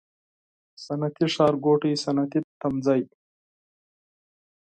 صنعتي ښارګوټی، صنعتي تمځای